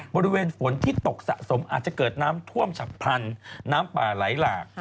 ฝนที่ตกสะสมอาจจะเกิดน้ำท่วมฉับพลันน้ำป่าไหลหลาก